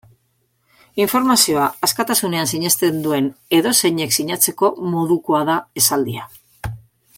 Informazioa askatasunean sinesten duen edozeinek sinatzeko modukoa da esaldia.